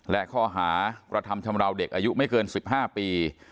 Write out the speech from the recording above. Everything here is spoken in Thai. และข้อหากระทำชำราวเด็กอายุไม่เกิน๑๕ปี